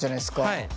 はい。